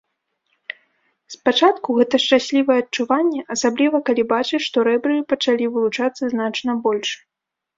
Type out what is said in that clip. Спачатку гэта шчаслівае адчуванне, асабліва калі бачыш, што рэбры пачалі вылучацца значна больш.